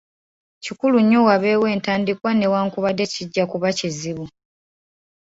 Kikulu nnyo wabeewo entandikwa newankubadde kijja kuba kizibu.